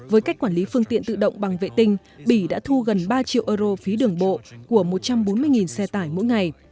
với cách quản lý phương tiện tự động bằng vệ tinh bỉ đã thu gần ba triệu euro phí đường bộ của một trăm bốn mươi xe tải mỗi ngày